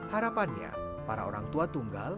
harapannya para orang tua tunggal